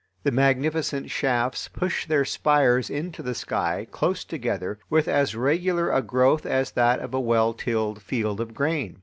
The magnificent shafts push their spires into the sky close together with as regular a growth as that of a well tilled field of grain.